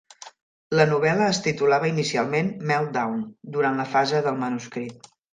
La novel·la es titulava inicialment "Meltdown", durant la fase del manuscrit.